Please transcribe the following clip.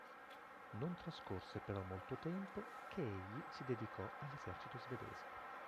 Non trascorse però molto tempo, che egli si dedicò allꞌesercito svedese.